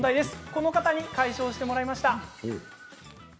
この方に解消してもらいました。